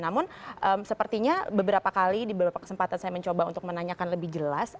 namun sepertinya beberapa kali di beberapa kesempatan saya mencoba untuk menanyakan lebih jelas